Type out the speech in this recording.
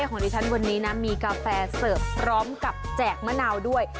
ของดิฉันวันนี้นะมีกาแฟเสิร์ฟพร้อมกับแจกมะนาวด้วย